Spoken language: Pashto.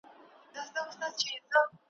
لا په لاس یې جوړوله اسبابونه `